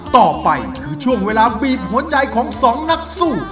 ต่อไปคือช่วงเวลาบีบหัวใจของสองนักสู้